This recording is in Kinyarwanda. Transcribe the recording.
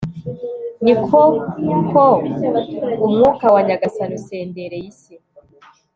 ni koko, umwuka wa nyagasani usendereye isi